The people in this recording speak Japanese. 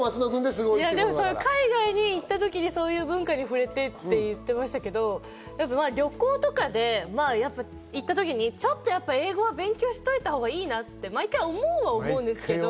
海外に行って、そういう文化に触れてって言ってましたけど、旅行とかでちょっとやっぱ英語は勉強しておいたほうがいいなって毎回思うは思うんですけど。